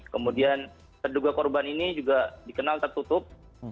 kemudian terduga korban ini juga dikenal tertutup